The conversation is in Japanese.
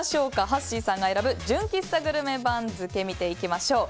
はっしーさんが選ぶ純喫茶グルメ番付見ていきましょう。